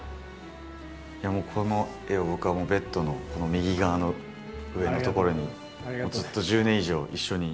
もうこの絵を僕はベッドの右側の上の所にずっと１０年以上一緒に。